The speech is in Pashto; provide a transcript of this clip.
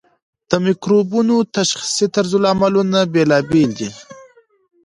د مکروبونو تشخیصي طرزالعملونه بیلابیل دي.